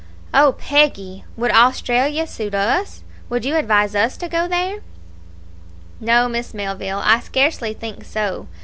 "Oh, Peggy! would Australia suit us? Would you advise us to go there?" "No, Miss Melville, I scarcely think so.